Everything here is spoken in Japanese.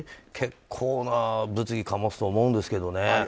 結構な物議を醸すと思うんですけどね。